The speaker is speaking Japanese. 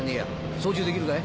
操縦できるかい？